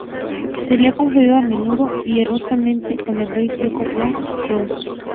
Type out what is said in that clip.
Se le ha confundido a menudo y erróneamente con el rey sueco Björn Ragnarsson.